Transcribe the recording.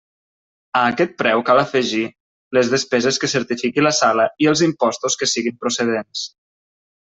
A aquest preu cal afegir les despeses que certifiqui la sala i els impostos que siguin procedents.